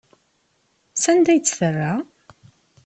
Sanda ay tt-terra?